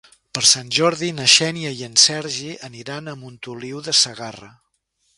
Per Sant Jordi na Xènia i en Sergi aniran a Montoliu de Segarra.